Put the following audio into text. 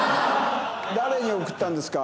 誰に送ったんですか？